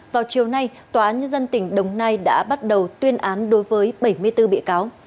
vào chiều nay tòa án nhân dân tỉnh đồng nai đã bắt đầu tuyên án đối với bảy mươi bốn bị cáo